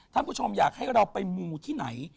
ท่านผู้ชมอยากให้เราไปมูที่ไหน